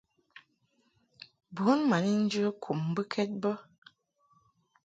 Bun ma ni njə kum mbɨkɛd bə.